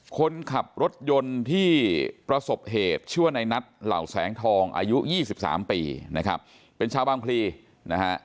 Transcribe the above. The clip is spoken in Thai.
คนขับรถยนต์ที่ประสบเหตุชื่อว่าในนัทเหล่าแสงทองอายุ๒๓ปีนะครับเป็นชาวบางพลีนะฮะ